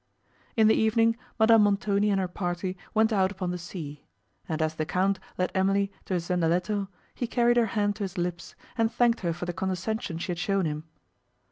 In the evening, Madame Montoni and her party went out upon the sea, and as the Count led Emily to his zendaletto, he carried her hand to his lips, and thanked her for the condescension she had shown him.